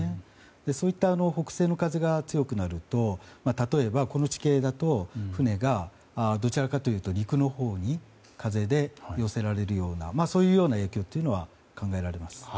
そういった北西の風が強くなると例えば、この地形だと船がどちらかというと陸のほうに風で寄せられるようなそういう影響というのは考えられます。